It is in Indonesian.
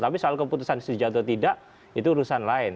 tapi soal keputusan setuju atau tidak itu urusan lain